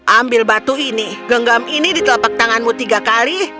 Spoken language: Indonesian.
ambil batu ini genggam ini di telapak tanganmu tiga kali